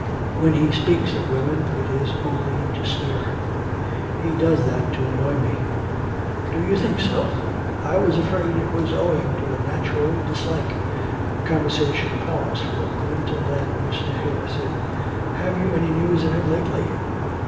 When he speaks of women it is only to sneer.' 'He does that to annoy me.' 'Do you think so? I was afraid it was owing to a natural dislike.' The conversation paused for a moment, and then Mr. Hare said: 'Have you had any news of him lately?'